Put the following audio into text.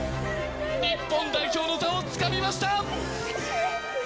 日本代表の座をつかみました。